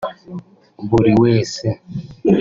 Buri wese